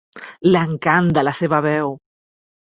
L'encant de la seva veu.